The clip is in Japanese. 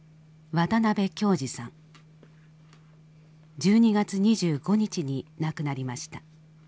１２月２５日に亡くなりました。